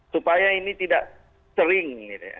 supaya ini tidak sering